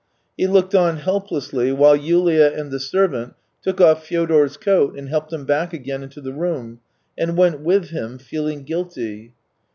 He looked on helplessly while Yulia and the servant took off Fyodor's coat and helped him back again into the room, and went with them, feeling guilty.